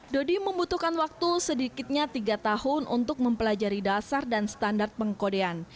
dodi membutuhkan waktu sedikitnya tiga tahun untuk mempelajari dasar dan standar pengkodean